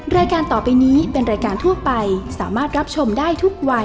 รายการต่อไปนี้เป็นรายการทั่วไปสามารถรับชมได้ทุกวัย